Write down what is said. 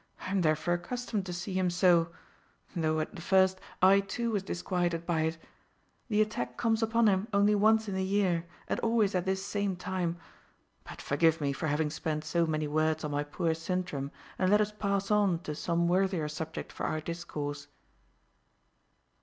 I am therefore accustomed to see him so; though, at the first, I too was disquieted by it. The attack comes upon him only once in the year, and always at this same time. But forgive me for having spent so many words on my poor Sintram, and let us pass on to some worthier subject for our discourse."